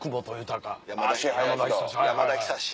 山田久志。